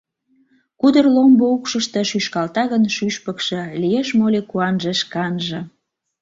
Кудыр ломбо укшышто Шӱшкалта гын шӱшпыкшӧ, Лиеш моли куанже шканже?